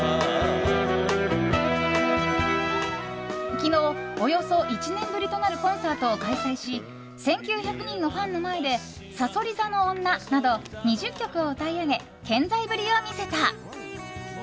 昨日、およそ１年ぶりとなるコンサートを開催し１９００人のファンの前で「さそり座の女」など２０曲を歌い上げ健在ぶりを見せた。